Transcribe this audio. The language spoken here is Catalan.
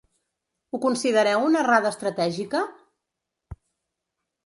Ho considereu una errada estratègica?